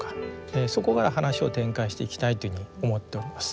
そこから話を展開していきたいというふうに思っております。